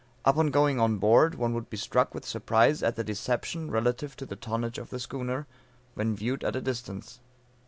Upon going on board, one would be struck with surprise at the deception relative to the tonnage of the schooner, when viewed at a distance.